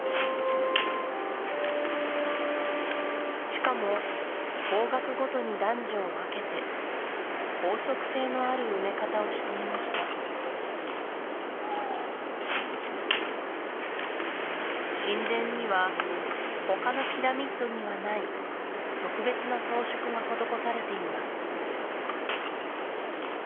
しかも方角ごとに男女を分けて法則性のある埋め方をしていました神殿には他のピラミッドにはない特別な装飾が施されています